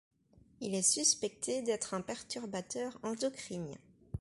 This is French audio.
Il est suspecté d'être un perturbateur endocrinien.